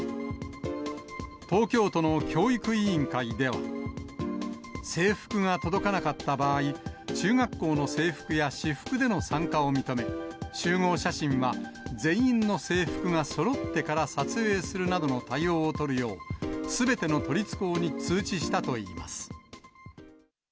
東京都の教育委員会では、制服が届かなかった場合、中学校の制服や私服での参加を認め、集合写真は全員の制服がそろってから撮影するなどの対応を取るよう、すべての都立校に通知したといいます。